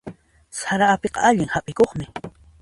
Sara apiqa allin hap'ikuqmi.